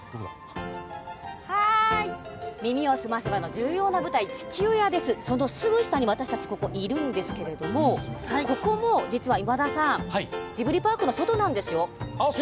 「耳をすませば」の重要な舞台地球屋です、そのすぐ下に私たちいるんですけどもここも、実はジブリパークの外なんですよ。